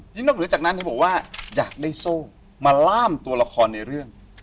นี่นอกเหนือจากนั้นเธอบอกว่าอยากได้โซ่มาล่ามตัวละครในเรื่อง